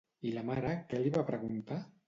I la mare què li va preguntar?